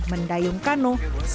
mendayung kano sambil menikmati